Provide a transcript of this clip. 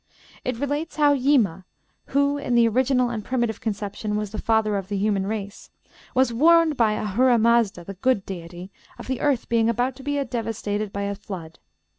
It relates how Yima, who, in the original and primitive conception, was the father of the human race, was warned by Ahuramazda, the good deity, of the earth being about to be devastated by a flood.